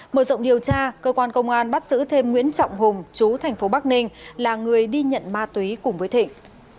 mở rộng điều tra cơ quan công an bắt giữ thêm nguyễn trọng hùng chú thành phố bắc ninh là người đi nhận ma túy cùng với thịnh